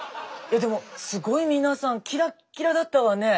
でもすごい皆さんキラッキラだったわね！